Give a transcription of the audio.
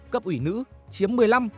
cấp ủy nữ chiếm một mươi năm bảy mươi một